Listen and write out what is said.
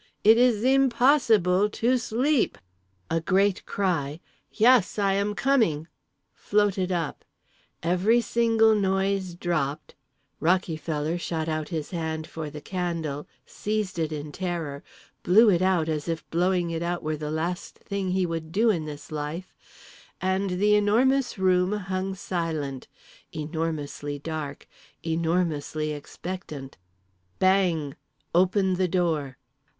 _ It is im pos si ble to sleep!" A great cry: "Yes! I am coming!" floated up—every single noise dropped—Rockyfeller shot out his hand for the candle, seized it in terror, blew it out as if blowing it out were the last thing he would do in this life—and The Enormous Room hung silent; enormously dark, enormously expectant…. BANG! Open the door.